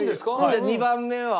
じゃあ２番目は？